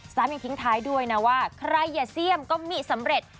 ยังทิ้งท้ายด้วยนะว่าใครอย่าเสี่ยมก็มิสำเร็จ